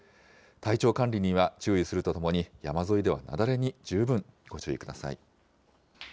体調管理には注意するとともに、山沿いでは雪崩に十分ご注意ください。